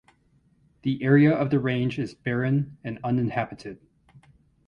The area of the range is barren and uninhabited.